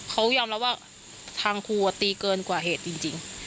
เขายอมรับว่าทางครูตีเกินกว่าเหตุจริง